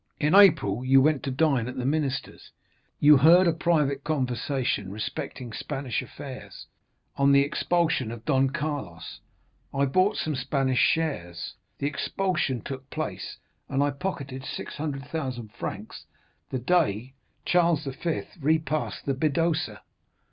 "In April you went to dine at the minister's. You heard a private conversation respecting Spanish affairs—on the expulsion of Don Carlos. I bought some Spanish shares. The expulsion took place and I pocketed 600,000 francs the day Charles V. repassed the Bidassoa.